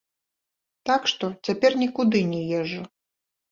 Так што, цяпер нікуды не езджу.